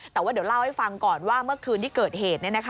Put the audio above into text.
แต่ว่าเดี๋ยวเล่าให้ฟังก่อนว่าเมื่อคืนที่เกิดเหตุ